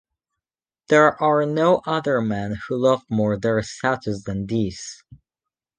There are no other men who love more their status than these.